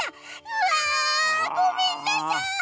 うわごめんなさい！